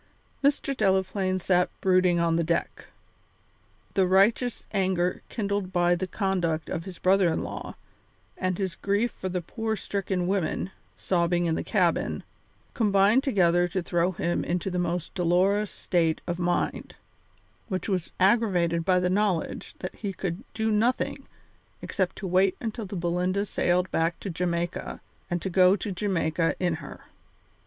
Mr. Delaplaine sat brooding on the deck. The righteous anger kindled by the conduct of his brother in law, and his grief for the poor stricken women, sobbing in the cabin, combined together to throw him into the most dolorous state of mind, which was aggravated by the knowledge that he could do nothing except to wait until the Belinda sailed back to Jamaica and to go to Jamaica in her.